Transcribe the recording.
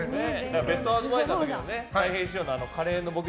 ベストアドバイザーの時のたい平師匠のカレーのボケ。